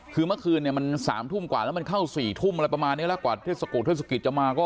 คือเมื่อคืนเนี่ยมัน๓ทุ่มกว่าแล้วมันเข้า๔ทุ่มอะไรประมาณนี้แล้วกว่าเทศกิจเทศกิจจะมาก็